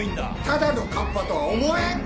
ただの河童とは思えん！